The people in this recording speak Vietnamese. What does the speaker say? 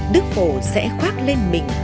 đức phổ sẽ khoác lên mình